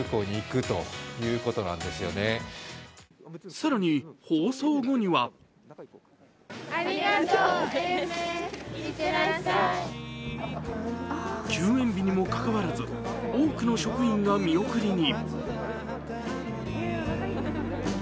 更に、放送後には休園日にもかかわらず多くの職員が見送りに。